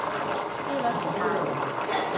機率唔大